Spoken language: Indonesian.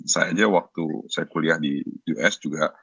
saya aja waktu saya kuliah di us juga